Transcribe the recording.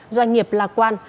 doanh nghiệp lạc quan